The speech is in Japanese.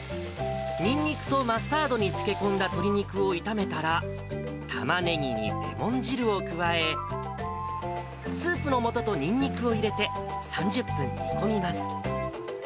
ニンニクとマスタードに漬け込んだ鶏肉を炒めたら、タマネギにレモン汁を加え、スープの素とニンニクを入れて、３０分煮込みます。